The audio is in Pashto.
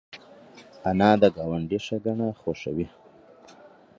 انا د ګاونډي ښېګڼه خوښوي